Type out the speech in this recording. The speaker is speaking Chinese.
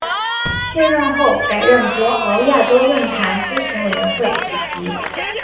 卸任后改任博鳌亚洲论坛咨询委员会主席。